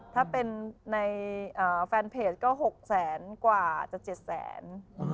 ถ้าเป็นในแฟนเพจก็๖แสนกว่าจะ๗แสน